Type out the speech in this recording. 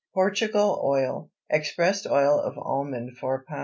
PORTUGAL OIL. Expressed oil of almond 4 lb.